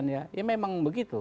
ya memang begitu